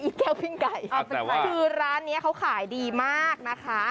คือร้านเนี้ยเขาขายดีมากนะคะ